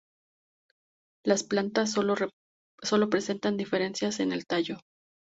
Las plantas sólo presentan diferencias en el tallo.